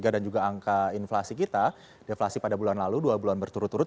dan juga angka inflasi kita deflasi pada bulan lalu dua bulan berturut turut